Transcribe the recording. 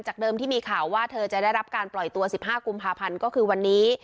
เดิมที่มีข่าวว่าเธอจะได้รับการปล่อยตัว๑๕กุมภาพันธ์ก็คือวันนี้